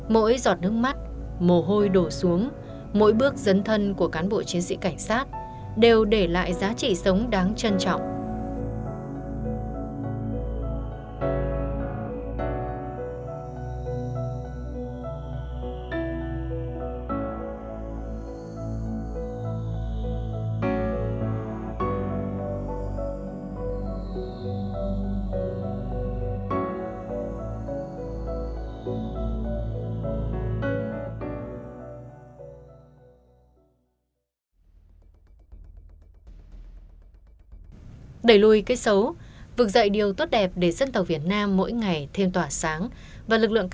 mỗi giọt nước mắt mồ hôi đổ xuống mỗi bước dấn thân của cán bộ chiến sĩ cảnh sát đều để lại giá trị sống đáng trân trọng